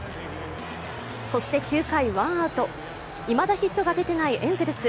そして９回ワンアウト、いまだヒットが出ていないエンゼルス。